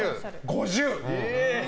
５０。